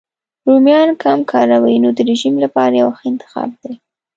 رومیان کم کالوري نو د رژیم لپاره یو ښه انتخاب دی.